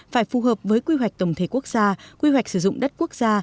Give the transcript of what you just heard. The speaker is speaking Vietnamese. phải phù hợp với quy hoạch tổng thể quốc gia quy hoạch sử dụng đất quốc gia